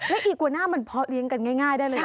และอีกวาน่ามันเพาะเลี้ยงกันง่ายได้ไหมคะ